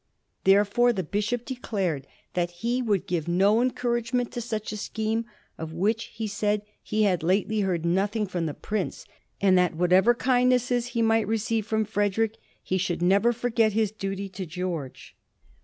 * Therefore the bishop declared that he would give no encouragement to such a scheme, of which, he said, he had lately heard noth ing from the prince ; and that, whatever kindnesses he might receive from Frederick, he should never forget his duty to George.